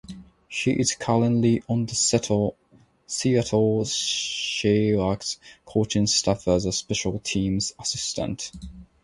He is currently on the Seattle Seahawks' coaching staff as a special teams assistant.